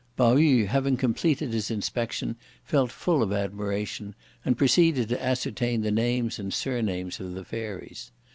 Pao yü having completed his inspection felt full of admiration, and proceeded to ascertain the names and surnames of the Fairies.